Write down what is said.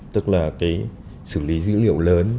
tức là xử lý dữ liệu lớn